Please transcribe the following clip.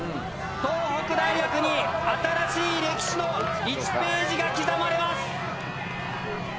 東北大学に新しい歴史の１ページが刻まれます。